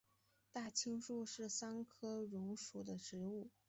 大青树是桑科榕属的植物。